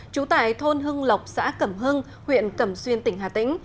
trú tại thôn hưng lộc xã cẩm hưng huyện cẩm xuyên tỉnh hà tĩnh